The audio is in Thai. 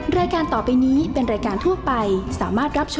แม่บ้านประจันบรรย์